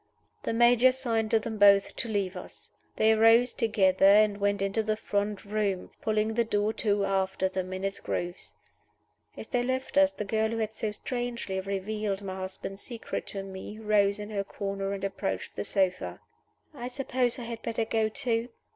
_" The Major signed to them both to leave us. They rose together, and went into the front room, pulling the door to after them in its grooves. As they left us, the girl who had so strangely revealed my husband's secret to me rose in her corner and approached the sofa. "I suppose I had better go too?"